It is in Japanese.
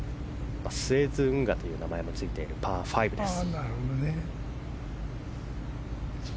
スエズ運河という名前がついたパー５です。